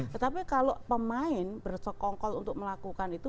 tetapi kalau pemain bersekongkol untuk melakukan itu